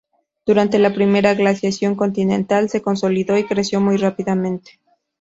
Durante la primera glaciación continental se consolidó y creció muy rápidamente.